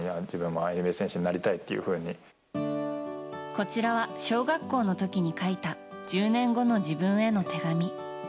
こちらは小学校の時に書いた１０年後の自分への手紙。